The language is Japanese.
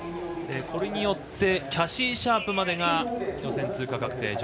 これによってキャシー・シャープまでが予選通過確定。